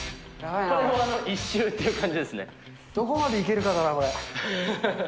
どこまでいけるかだな、これ。